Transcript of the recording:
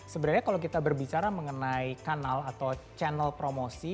sebenarnya kalau kita berbicara mengenai kanal atau channel promosi